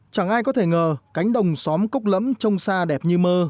chẳng ai có thể ngờ cánh đồng xóm cốc lấm trông xa đẹp như mơ